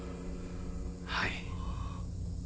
はい。